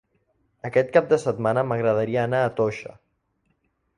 Aquest cap de setmana m'agradaria anar a Toixa.